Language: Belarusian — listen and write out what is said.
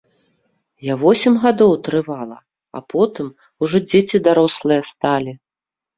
Я восем гадоў трывала, а потым ужо дзеці дарослыя сталі.